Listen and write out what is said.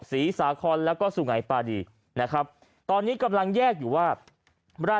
สาคอนแล้วก็สุงัยปาดีนะครับตอนนี้กำลังแยกอยู่ว่า